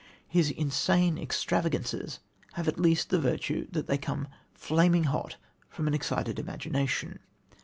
His insane extravagances have at least the virtue that they come flaming hot from an excited imagination.